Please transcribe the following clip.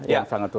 yang sangat terus